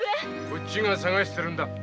こっちが捜してるんだ。